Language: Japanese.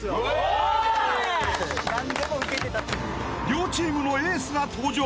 ［両チームのエースが登場］